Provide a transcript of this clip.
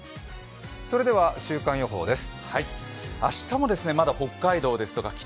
それでは週間予報です。